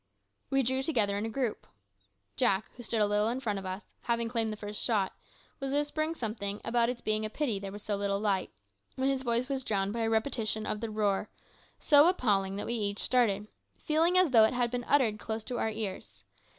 We drew together in a group. Jack, who stood a little in front of us, having claimed the first shot, was whispering something about its being a pity there was so little light, when his voice was drowned by a repetition of the roar, so appalling that we each started, feeling as though it had been uttered close to our ears.